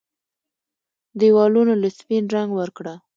ديوالونو له سپين رنګ ورکړه